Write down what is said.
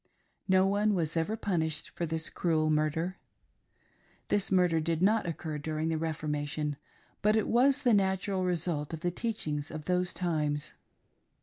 No one was ever punished for this cruel murder. This murder did not occur during the Reformation, but it was the natural result of the teachings of those times.